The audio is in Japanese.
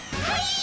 はい！